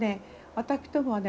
私どもはね